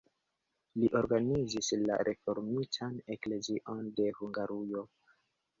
Li organizis la reformitan eklezion de Hungarujo.